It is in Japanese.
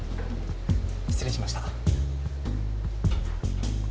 失礼しました。